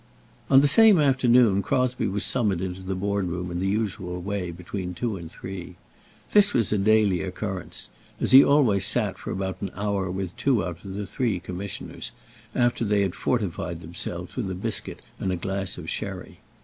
On the same afternoon, Crosbie was summoned into the Board room in the usual way, between two and three. This was a daily occurrence, as he always sat for about an hour with two out of the three Commissioners, after they had fortified themselves with a biscuit and a glass of sherry.